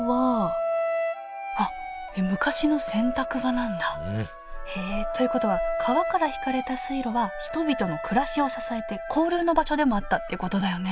あっ昔の洗濯場なんだ。ということは川から引かれた水路は人々の暮らしを支えて交流の場所でもあったってことだよね